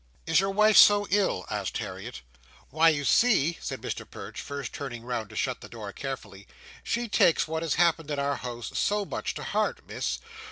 "Is your wife so ill?" asked Harriet. "Why, you see," said Mr Perch, first turning round to shut the door carefully, "she takes what has happened in our House so much to heart, Miss.